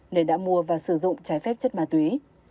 nên đã mua và sử dụng trái phép chất ma túy